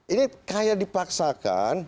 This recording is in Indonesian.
ini kayak dipaksakan